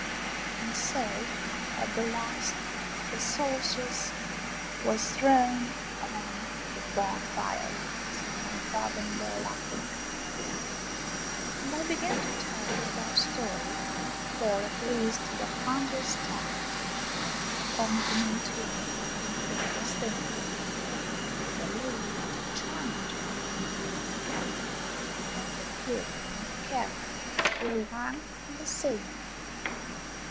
" And so at the last the sorceress was thrown on the bonfire !" said my father in law, laughing. And I began to tell the above story for at least the hundredth time. Pocovnicu maintained, among other things, that the lady put a charm into the lining of my cap, and that the kid and the cat were one and the same.